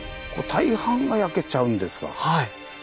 はい。